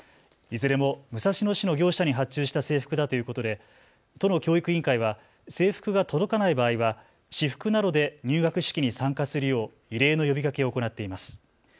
いずれも武蔵野市の業者に発注した制服だということで都の教育委員会は制服が届かない場合は、私服などで入学式に参加するよう異例の呼びかけを行っています。